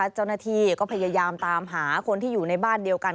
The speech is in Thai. เจ้าหน้าที่ก็พยายามตามหาคนที่อยู่ในบ้านเดียวกัน